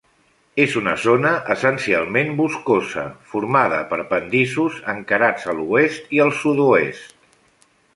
És una zona essencialment boscosa, formada per pendissos encarats a l'oest i al sud-oest.